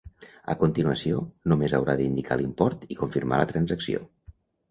A continuació, només haurà d'indicar l'import i confirmar la transacció.